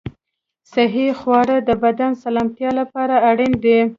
صحي خواړه د بدن سلامتیا لپاره اړین دي.